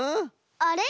あれ？